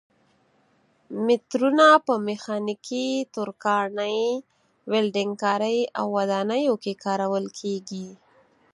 مترونه په میخانیکي، ترکاڼۍ، ولډنګ کارۍ او ودانیو کې کارول کېږي.